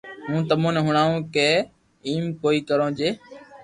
ھون تمو ني ھڻاوُ ڪو ايم ڪوئي ڪرو جي